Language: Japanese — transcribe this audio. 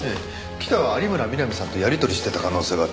北は有村みなみさんとやり取りしてた可能性がある。